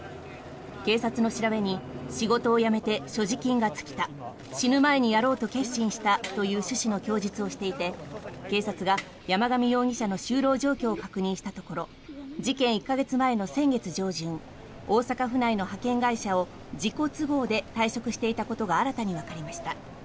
警察の調べに仕事を辞めて所持金が尽きた死ぬ前にやろうと決心したという趣旨の供述をしていて警察が山上容疑者の就労状況を確認したところ事件１か月前の先月上旬大阪府内の派遣会社を自己都合で退職していたことが新たにわかりました。